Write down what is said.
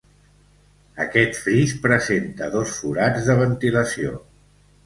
Aquest fris presenta dos forats de ventilació.